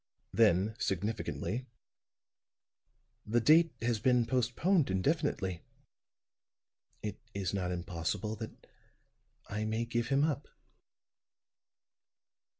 Then, significantly: "The date has been postponed indefinitely. It is not impossible that I may give him up."